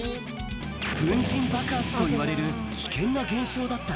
粉じん爆発といわれる危険な現象だった。